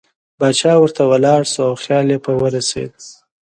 باچا ورته ولاړ شو او خیال یې په ورسېد.